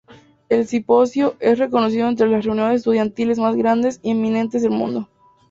El simposio es reconocido entre las reuniones estudiantiles más grandes y eminentes del mundo.